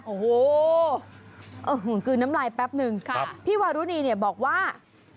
โอ้โหกลืนน้ำลายแป๊บนึงพี่วารุณีเนี่ยบอกว่า